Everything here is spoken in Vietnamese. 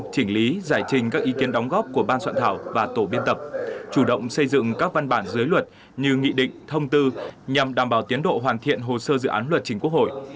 chỉnh lý giải trình các ý kiến đóng góp của ban soạn thảo và tổ biên tập chủ động xây dựng các văn bản dưới luật như nghị định thông tư nhằm đảm bảo tiến độ hoàn thiện hồ sơ dự án luật chính quốc hội